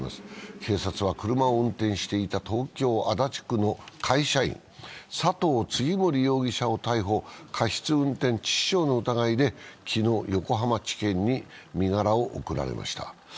警察は車を運転していた東京・足立区の会社員、佐藤次守容疑者を逮捕、過失運転致死傷の疑いで昨日、横浜地検に身柄を送られました。